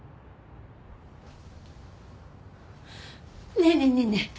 ねえねえねえねえ